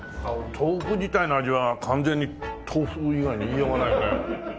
豆腐自体の味は完全に豆腐以外に言いようがないよね。